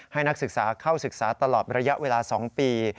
นักศึกษาเข้าศึกษาตลอดระยะเวลา๒ปี